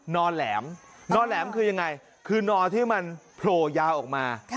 อแหลมนอแหลมคือยังไงคือนอที่มันโผล่ยาวออกมา